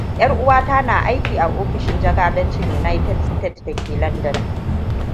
Ƴar uwata na aiki a ofishin jakadancin United Stated da ke London.